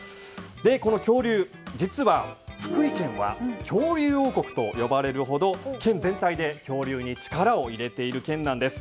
この恐竜、実は福井県は恐竜王国と呼ばれるほど県全体で恐竜に力を入れている県なんです。